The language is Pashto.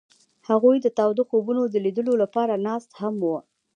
هغوی د تاوده خوبونو د لیدلو لپاره ناست هم وو.